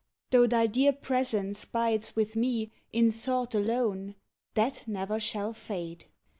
Though thy dear presence bides with me In thought alone, that ne'er shall fade!